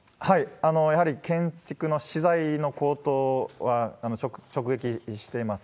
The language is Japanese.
やはり建築の資材の高騰は直撃してます。